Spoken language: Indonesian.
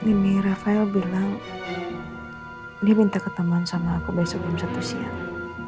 ini rafael bilang dia minta ketemuan sama aku baik sebelum satu siang